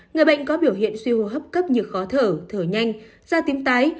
người bệnh có biểu hiện suy hô hấp cấp như khó thở thở nhanh da tím tái